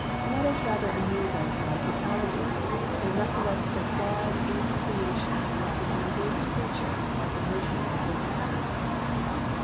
Let us rather amuse ourselves with allegories, and recollect that God in the creation left his noblest creature at the mercy of a serpent.